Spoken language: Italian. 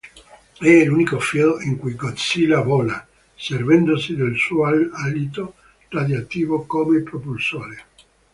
È l'unico film in cui Godzilla vola, servendosi del suo alito radioattivo come propulsore.